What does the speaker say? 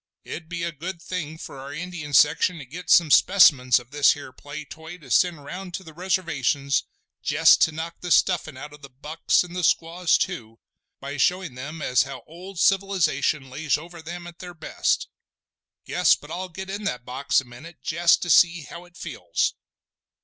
It'd be a good thing for our Indian section to get some specimens of this here play toy to send round to the Reservations jest to knock the stuffin' out of the bucks, and the squaws too, by showing them as how old civilisation lays over them at their best. Guess but I'll get in that box a minute jest to see how it feels!"